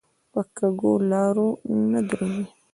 په کږو لارو نه درومي.